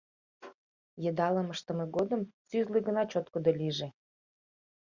Йыдалым ыштыме годым сӱзлӧ гына чоткыдо лийже.